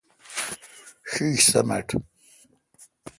ݭیݭ سمٹ۔